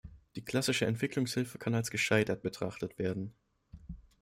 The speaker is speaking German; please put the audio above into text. Die klassische Entwicklungshilfe kann als gescheitert betrachtet werden.